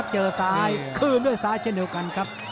เจอซ้ายคืนด้วยซ้ายเช่นเดียวกันครับ